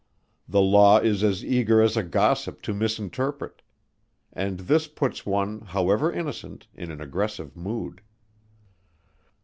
The Law is as eager as a gossip to misinterpret; and this puts one, however innocent, in an aggressive mood.